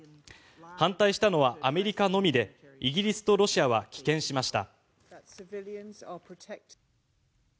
反対したのはアメリカのみでイギリスとロシアは棄権しました。